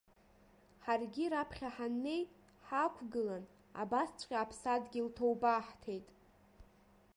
Ҳаргьы раԥхьа ҳаннеи, ҳаақәгылан, абасҵәҟьа аԥсадгьыл ҭоуба аҳҭеит.